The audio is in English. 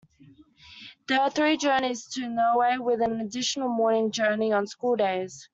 There are three journeys to Newry with an additional morning journey on schooldays.